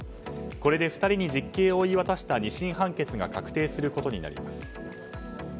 これで２人に実刑を言い渡した２審判決が確定することになります。